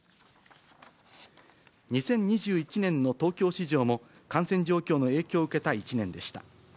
２０２１年の東京市場も、感染状況の影響を受けた１年でした。